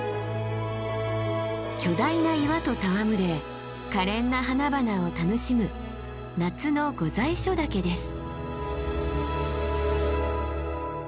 巨大な岩と戯れかれんな花々を楽しむ夏の御在所岳です。